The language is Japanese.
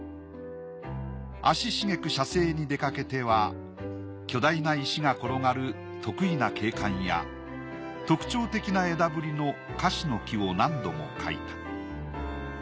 足しげく写生に出かけては巨大な石が転がる特異な景観や特徴的な枝ぶりの樫の木を何度も描いた。